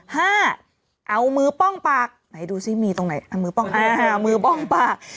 เอามือป้องปากไหนดูสิมีตรงไหนเอามือป้องอ่ามือป้องปาก